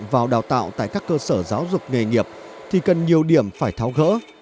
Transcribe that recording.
vào đào tạo tại các cơ sở giáo dục nghề nghiệp thì cần nhiều điểm phải tháo gỡ